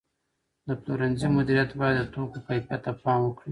د پلورنځي مدیریت باید د توکو کیفیت ته پام وکړي.